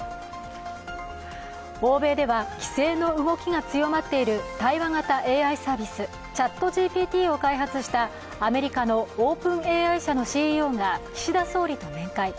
欧米では規制の動きが強まっている対話型ＡＩサービス、ＣｈａｔＧＰＴを開発したアメリカのＯｐｅｎＡ社のＣＥＯが岸田総理と面会。